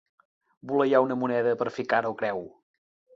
Voleiar una moneda per fer cara o creu.